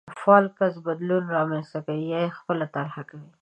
فعال کس بدلون رامنځته کوي يا يې خپله طرحه کوي.